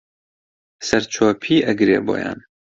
سەرچۆپی ئەگرێ بۆیان